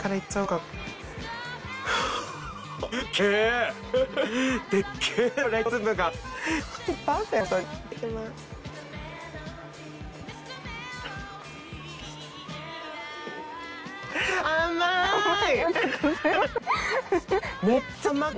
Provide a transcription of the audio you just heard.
ありがとうございます。